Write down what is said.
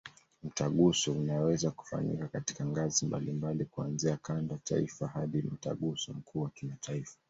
Mtaguso unaweza kufanyika katika ngazi mbalimbali, kuanzia kanda, taifa hadi Mtaguso mkuu wa kimataifa.